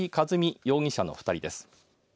容疑者の２人です。